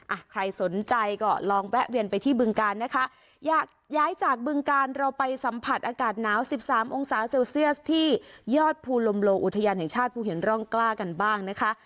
อ่ะใครสนใจก็ลองแวะเวียนไปที่บึงการนะคะอยากย้ายจากบึงการเราไปสัมผัสอากาศหนาวสิบสามองศาเซลเซียสที่ยอดภูลมโลอุทยานแห่งชาติภูหินร่องกล้ากันบ้างนะคะ